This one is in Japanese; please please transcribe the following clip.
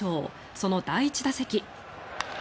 その第１打席。